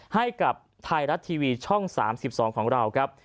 ให้กับไทยรัฐทีวีช่อง๓๒ของเราครับ